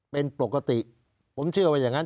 เป็นปกติผมเชื่อว่าอย่างนั้น